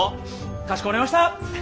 かしこまりました！